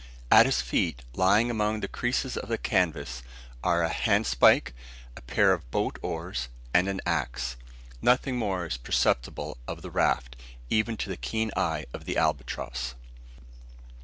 At his feet, lying among the creases of the canvas, are a handspike, a pair of boat oars, and an axe. Nothing more is perceptible of the raft, even to the keen eye of the albatross.